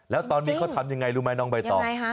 แล้วตอนนี้เขาทำยังไงรู้ไหมน้องใบตอง